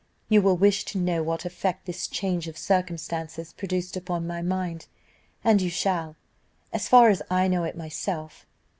"You will wish to know what effect this change of circumstances produced upon my mind, and you shall, as far as I know it myself.